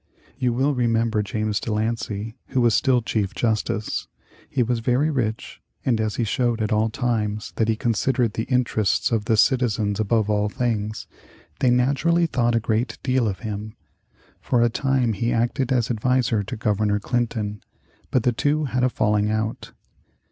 You will remember James De Lancey, who was still Chief Justice. He was very rich, and as he showed at all times that he considered the interests of the citizens above all things, they naturally thought a great deal of him. For a time he acted as adviser to Governor Clinton, but the two had a falling out.